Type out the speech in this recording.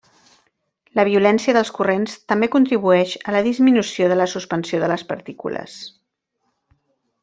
La violència dels corrents també contribueix a la disminució de la suspensió de les partícules.